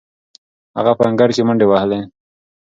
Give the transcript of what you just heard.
هغه په انګړ کې منډې وهلې.